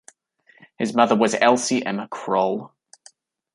His mother was Elsie Emma Kroll.